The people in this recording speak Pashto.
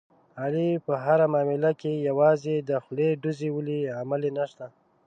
علي په هره معامله کې یوازې د خولې ډوزې ولي، عمل یې نشته.